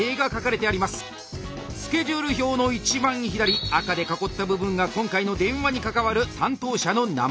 スケジュール表の一番左赤で囲った部分が今回の電話に関わる担当者の名前。